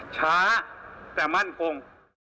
ช้าแต่มั่นคง